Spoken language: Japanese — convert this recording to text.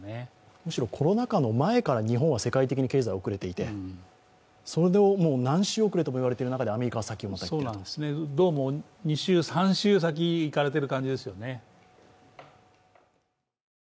むしろコロナ禍の前から日本は世界的に経済が遅れていてそれで何週遅れとも言われている中で、アメリカがまた先に行っている。